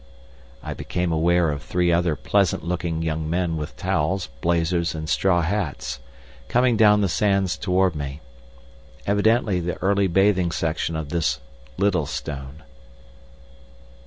I became aware of three other pleasant looking young men with towels, blazers, and straw hats, coming down the sands towards me. Evidently the early bathing section of this Littlestone.